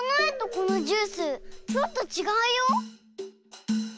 このジュースちょっとちがうよ。